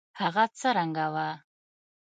هغه څه رنګه وه.